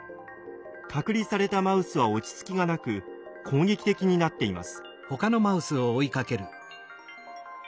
隔離されたマウスは落ち着きがなく攻撃的になっています。